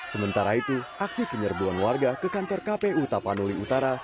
sementara itu aksi penyerbuan warga ke kantor kpu tapanuli utara